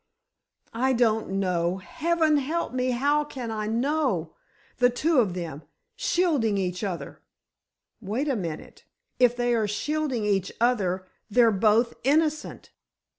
"I don't know! Heaven help me—how can I know? The two of them, shielding each other——" "Wait a minute, if they are shielding each other—they're both innocent!"